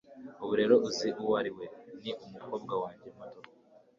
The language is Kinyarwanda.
ubu rero uzi uwo ari we, ni umukobwa wanjye muto